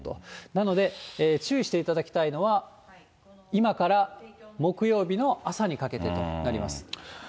なので、注意していただきたいのは、今から木曜日の朝にかけてとなります。